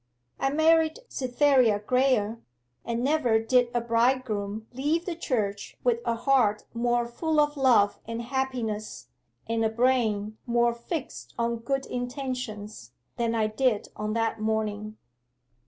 'I married Cytherea Graye, and never did a bridegroom leave the church with a heart more full of love and happiness, and a brain more fixed on good intentions, than I did on that morning.